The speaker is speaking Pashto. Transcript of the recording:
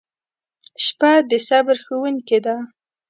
• شپه د صبر ښوونکې ده.